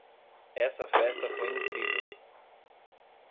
Essa festa foi incrível.